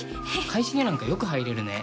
会社になんかよく入れるね。